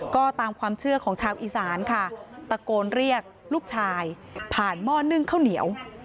ก็ตามความเชื่อของชาวอีสานค่ะตะโกนเรียกลูกชายผ่านหม้อนึ่งข้าวเหนียว